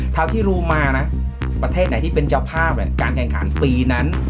เท่าที่รู้มานะประเทศไหนที่เป็นเจ้าภาพการแข่งขันปีนั้น